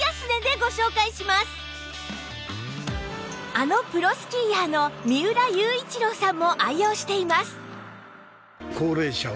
あのプロスキーヤーの三浦雄一郎さんも愛用しています